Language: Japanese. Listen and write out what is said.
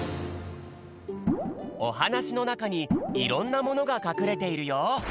おはなしのなかにいろんなものがかくれているよ。